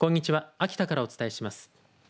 秋田からお伝えします。